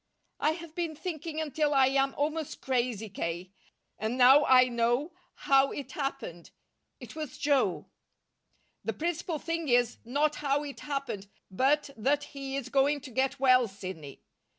"I have been thinking until I am almost crazy, K. And now I know how it happened. It was Joe." "The principal thing is, not how it happened, but that he is going to get well, Sidney."